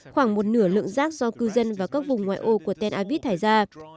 khoảng một nửa lượng rác do cư dân và các vùng ngoại ô của tel aviv thải ra